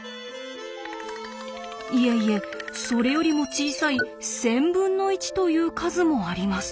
いえいえそれよりも小さい１，０００分の１という数もあります。